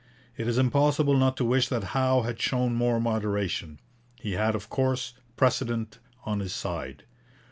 It is impossible not to wish that Howe had shown more moderation. He had, of course, precedent on his side.